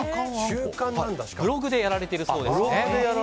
ブログでやられているそうです。